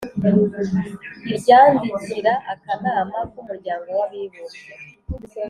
iryandikira akanama k'umuryango w'abibumbye